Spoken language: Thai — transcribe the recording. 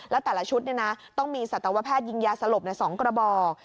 แล้วแต่ละชุดเนี่ยนะต้องมีสตวแพทย์ยิงยาสลบในสองกระบอก